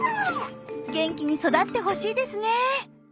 元気に育ってほしいですね。